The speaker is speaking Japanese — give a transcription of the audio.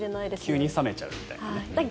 急に冷めちゃうみたいなね。